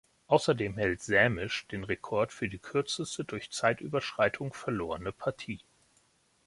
Außerdem hält Sämisch den Rekord für die kürzeste durch Zeitüberschreitung verlorene Partie.